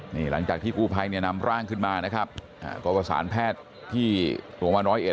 นี่หลังจากที่กู้ภัยเนี่ยนำร่างขึ้นมานะครับก็ประสานแพทย์ที่โรงพยาบาลร้อยเอ็